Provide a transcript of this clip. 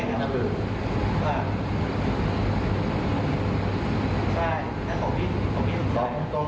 เอาไปหมุนหรือท่านใจโกงหรือรู้อยู่แล้วว่า